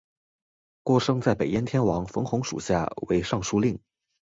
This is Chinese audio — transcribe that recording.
郭生在北燕天王冯弘属下为尚书令。